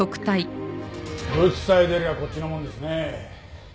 ブツさえ出りゃあこっちのもんですね。